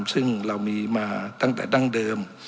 ซึ่งเรามีมาตั้งแต่ดั้งเดิม